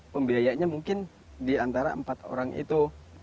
pembiayanya mungkin diantara empat orang itu